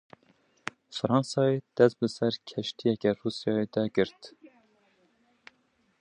Fransayê dest bi ser keştiyeke Rûsyayê de girt.